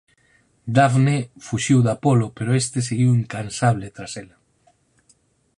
Dafne fuxiu de Apolo pero este seguiu incansable tras ela.